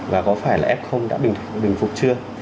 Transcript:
và có phải là f đã bình phục chưa